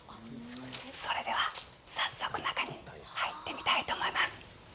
それでは、早速中に入ってみたいと思います。